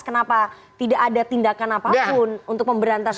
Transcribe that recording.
kenapa tidak ada tindakan apapun untuk memberantas itu